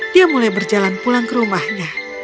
dia mulai berjalan pulang ke rumahnya